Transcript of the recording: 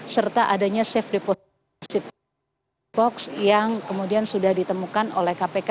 serta adanya safe deposisi box yang kemudian sudah ditemukan oleh kpk